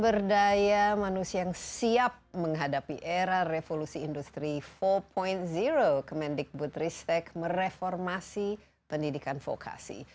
berdaya manusia yang siap menghadapi era revolusi industri empat kemendikbud riset mereformasi pendidikan vokasi